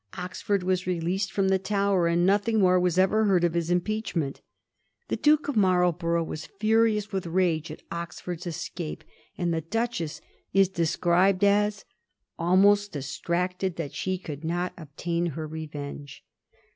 Oxford was released from the Tower, and nothing more was ever heard of his impeachment. The Duke of Marl borough was furious with rage at Oxford's escape, and the Duchess is described as ^ almost distracted that she could not obtain her revenge.'